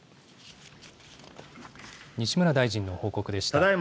西村大臣の報告でした。